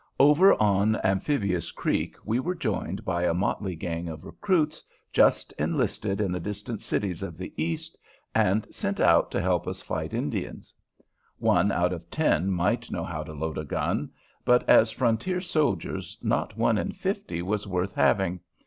Over on Amphibious Creek we were joined by a motley gang of recruits just enlisted in the distant cities of the East and sent out to help us fight Indians. One out of ten might know how to load a gun, but as frontier soldiers not one in fifty was worth having.